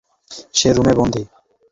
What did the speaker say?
সে রুমে বন্দী।